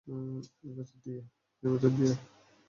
এর ভেতর দিয়ে।